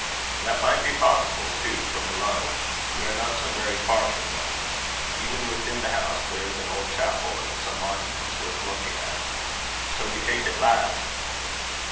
"That might be possible, too, from below. We are not so very far from them. Even within the house there is an old chapel, and some monuments worth looking at. Shall we take it last?"